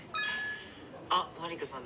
あマリカさんだ。